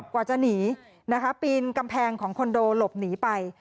กว่าจะหนีนะคะปีนกำแพงของคอนโดหลบหนีไป